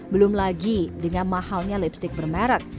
belum lagi dengan mahalnya lipstick bermerek